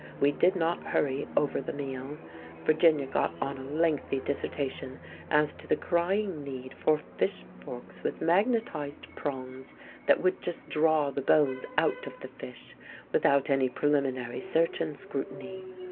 We did not hurry over the meal. Virginia got on a lengthy dissertation as to the crying need for fish forks with magnetised prongs that would just draw the bones out of the fish, without any preliminary search and scrutiny.